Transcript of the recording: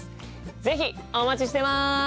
是非お待ちしてます！